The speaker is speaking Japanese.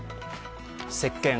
せっけん。